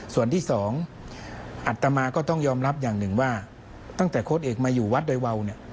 ส่วนที่สองอัตมาก็ต้องยอมรับอย่างหนึ่งว่าตั้งแต่โค้ดเอกมาอยู่วัดโดยวาวเนี่ย